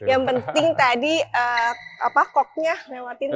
yang penting tadi koknya lewat internet